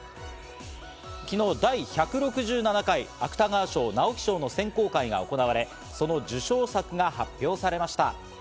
昨日、第１６７回芥川賞・直木賞の選考会が行われ、その受賞作が発表されました。